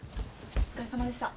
お疲れさまでした。